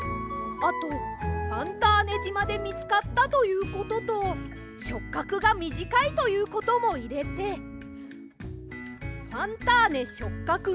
あとファンターネじまでみつかったということとしょっかくがみじかいということもいれて「ファンターネしょっかく